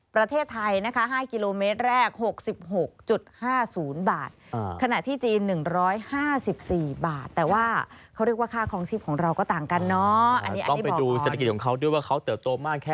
ประเทศไทย๕กิโลเมตรแรก๖๖๕๐บาท